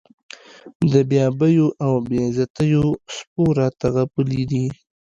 د بې آبیو او بې عزتیو سپو راته غپلي دي.